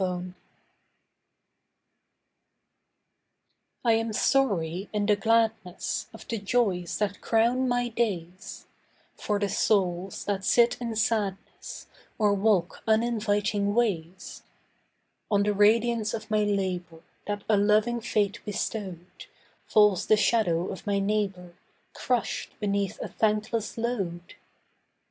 SHADOWS I am sorry in the gladness Of the joys that crown my days, For the souls that sit in sadness Or walk uninviting ways. On the radiance of my labour That a loving fate bestowed, Falls the shadow of my neighbour, Crushed beneath a thankless load.